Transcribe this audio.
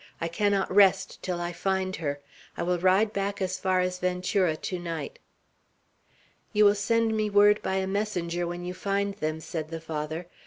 "I cannot rest till I find her. I will ride back as far as Ventura to night." "You will send me word by a messenger, when you find them," said the Father.